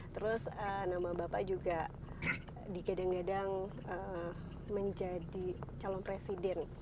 terus nama bapak juga digadang gadang menjadi calon presiden